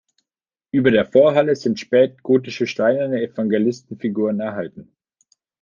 Über der Vorhalle sind spätgotische steinerne Evangelistenfiguren erhalten.